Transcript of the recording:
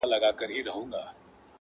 ایبنه دي نه کړمه بنګړی دي نه کړم،